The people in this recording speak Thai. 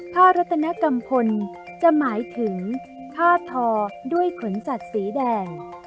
ผ้ารัตนกรรมพลจะหมายถึงผ้าทอด้วยขนสัตว์สีแดง